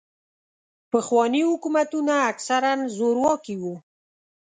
پخواني حکومتونه اکثراً زورواکي وو.